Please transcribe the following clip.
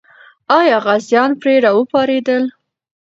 آیا غازیان پرې راوپارېدل؟